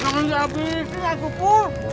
jangan habisi mas kupu